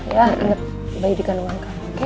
ingat bayi di kanungan kamu oke